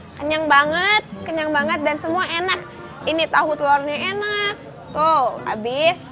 kenyang banget kenyang banget dan semua enak ini tahu telurnya enak tuh habis